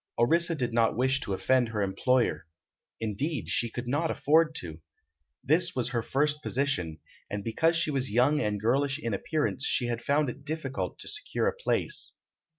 Orissa did not wish to offend her employer. Indeed, she could not afford to. This was her first position, and because she was young and girlish in appearance she had found it difficult to secure a place.